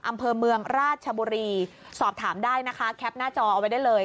อำเภอเมืองราชบุรีสอบถามได้นะคะแคปหน้าจอเอาไว้ได้เลย